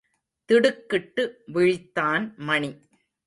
திடுக்கிட்டு விழித்தான் மணி.